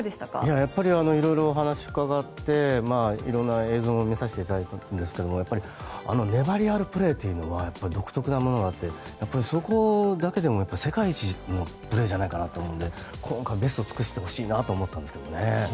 やっぱり色々、お話を伺って色んな映像も見させていただいたんですが粘りあるプレーというのは独特なものがあってそこだけでも世界一のプレーじゃないかと思うので今回、ベストを尽くしてほしいなと思ったんですけどね。